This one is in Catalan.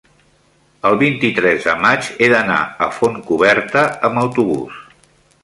el vint-i-tres de maig he d'anar a Fontcoberta amb autobús.